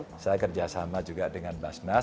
jadi saya kerjasama juga dengan basnas